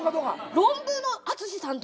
ロンブーの淳さんとか。